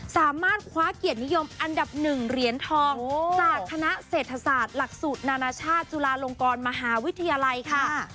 สามารถคว้าเกียรตินิยมอันดับ๑เหรียญทองจากคณะเศรษฐศาสตร์หลักสูตรนานาชาติจุฬาลงกรมหาวิทยาลัยค่ะ